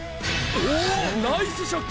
おおナイスショット！